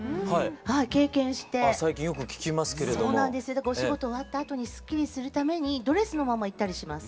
だからお仕事終わったあとにスッキリするためにドレスのまま行ったりします。